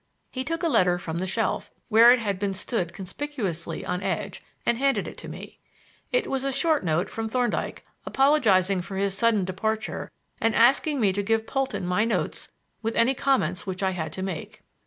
He took a letter from the shelf, where it had been stood conspicuously on edge, and handed it to me. It was a short note from Thorndyke apologizing for his sudden departure and asking me to give Polton my notes with any comments that I had to make.